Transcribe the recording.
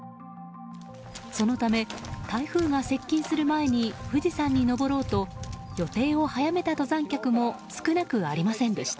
そのため台風が接近する前に富士山に登ろうと予定を早めた登山客も少なくありませんでした。